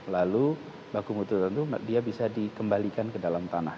lalu baku mutu tentu dia bisa dikembalikan ke dalam tanah